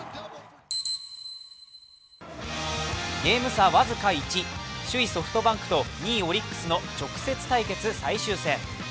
ゲーム差僅か１、首位・ソフトバンクと２位・オリックスの直接対決最終戦。